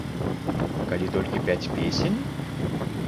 Калі толькі пяць песень?